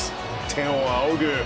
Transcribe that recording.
天を仰ぐ。